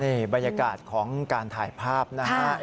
นี่บรรยากาศของการถ่ายภาพนะฮะ